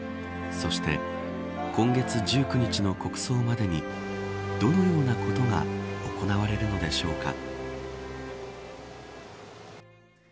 そして今月１９日の国葬までにどのようなことが行われるのでしょうか。